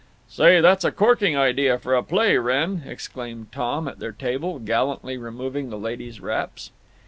"Say, that's a corking idea for a play, Wrenn," exclaimed Tom, at their table, gallantly removing the ladies' wraps.